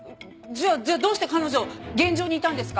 じゃあどうして彼女現場にいたんですか？